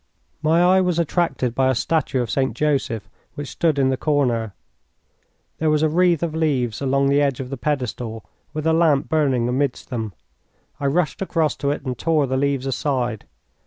My eye was attracted by a statue of St. Joseph which stood in the corner. There was a wreath of leaves along the edge of the pedestal, with a lamp burning amidst them. I rushed across to it and tore the leaves aside.